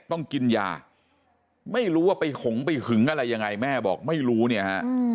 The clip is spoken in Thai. ต้องกินยาไม่รู้ว่าไปหงไปหึงอะไรยังไงแม่บอกไม่รู้เนี่ยฮะ